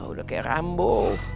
udah kayak rambo